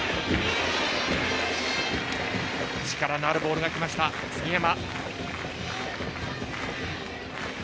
力のあるボールがきました杉山。